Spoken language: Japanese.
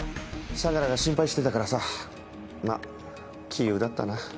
相良が心配してたからさまぁ杞憂だったな。